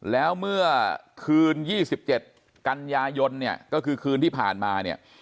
แล้วเมื่อคืน๒๗กันยายนเนี่ยก็คือคืนที่ผ่านมาเนี่ย